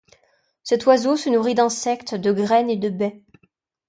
Cet oiseau se nourrit d'insectes, de graines et de baies.